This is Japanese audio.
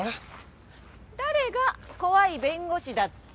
誰が怖い弁護士だって？